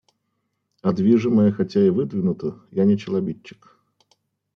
А движимое хотя и выдвинуто, я не челобитчик.